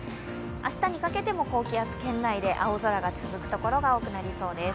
明日にかけても高気圧圏内で青空が続く所が多くなりそうです。